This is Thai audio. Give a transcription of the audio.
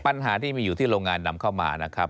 ปัญหาที่มีอยู่ที่โรงงานนำเข้ามานะครับ